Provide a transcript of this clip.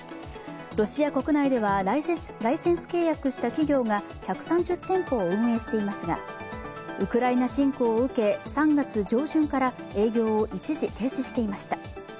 ロシア国内ではライセンス契約した企業が１３０店舗を運営していますがウクライナ侵攻を受け３月上旬から営業を一時停止していました。